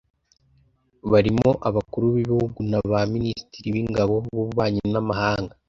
barimo abakuru b’ibihugu na ba minisitiri b’ingabo n’ububanyi n’amahanga